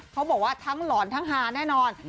เขาบอกว่าทั้งหลอนทั้งฮาแน่นอน